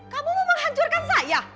kamu mau menghancurkan saya